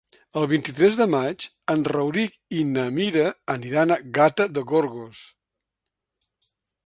El vint-i-tres de maig en Rauric i na Mira aniran a Gata de Gorgos.